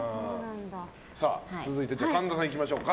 続いて神田さんいきましょうか。